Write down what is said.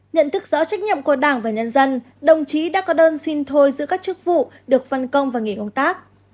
nhận thức rõ trách nhiệm của đảng và nhân dân đồng chí đã có đơn xin thôi giữ các chức vụ được phân công và nghỉ công tác